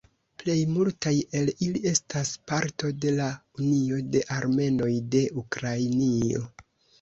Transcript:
Plej multaj el ili estas parto de la "Unio de Armenoj de Ukrainio".